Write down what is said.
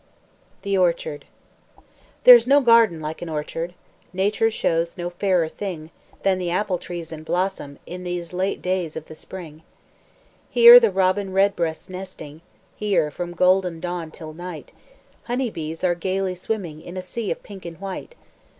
THE ORCHARD There's no garden like an orchard, Nature shows no fairer thing Than the apple trees in blossom In these late days o' the spring. Here the robin redbreast's nesting, Here, from golden dawn till night, Honey bees are gaily swimming In a sea of pink and white.